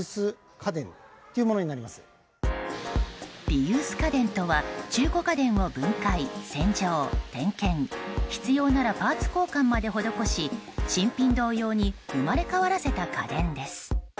リユース家電とは中古家電を分解、洗浄、点検必要ならパーツ交換まで施し新品同様に生まれ変わらせた家電です。